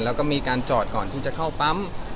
แล้วก็มีการจอดก่อนที่จะเข้าปั๊ม